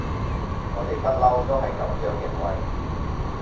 我哋不溜都係噉樣認為